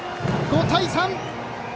５対３。